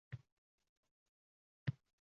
Odam dunyoga bir marta keladi